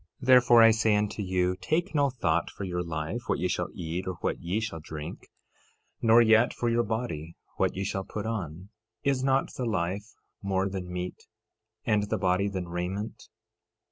Therefore I say unto you, take no thought for your life, what ye shall eat, or what ye shall drink; nor yet for your body, what ye shall put on. Is not the life more than meat, and the body than raiment?